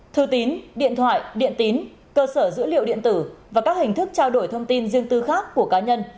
thư tín điện thoại điện tín cơ sở dữ liệu điện tử và các hình thức trao đổi thông tin riêng tư khác của cá nhân